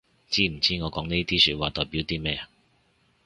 知唔知我講呢啲說話代表啲咩